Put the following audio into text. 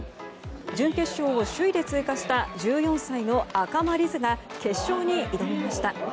準決勝を首位で通過した１４歳の赤間凛音が決勝に挑みました。